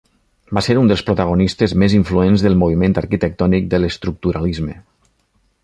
Va ser un dels protagonistes més influents del moviment arquitectònic de l'Estructuralisme.